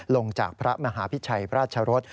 ลงจากพระมหาพิชัยราชรส